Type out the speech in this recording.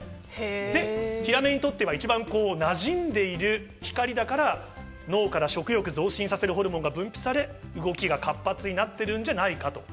で、ヒラメにとっては一番馴染んでいる光だから、脳から食欲を増進させるホルモンが分泌されて、動きが活発になってるんじゃないかと。